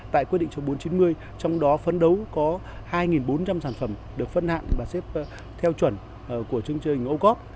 tại quyết định châu bốn trăm chín mươi trong đó phấn đấu có hai bốn trăm linh sản phẩm được phân hạn và xếp theo chuẩn của chương trình ô cốp